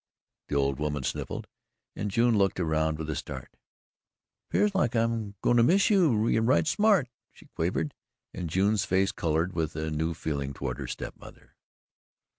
The old woman sniffled, and June looked around with a start. "Pears like I'm goin' to miss ye right smart," she quavered, and June's face coloured with a new feeling towards her step mother.